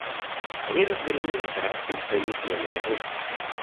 Они развернули операцию с целью смены режима.